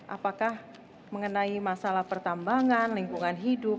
apakah mengenai masalah pertambangan lingkungan hidup